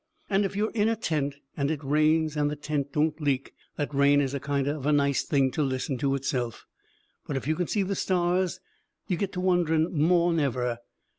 And if you are in a tent and it rains and the tent don't leak, that rain is a kind of a nice thing to listen to itself. But if you can see the stars you get to wondering more'n ever.